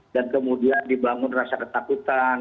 dan kemudian dibangun rasa ketakutan